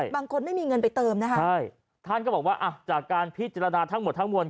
ไม่มีเงินไปเติมนะคะใช่ท่านก็บอกว่าอ่ะจากการพิจารณาทั้งหมดทั้งมวล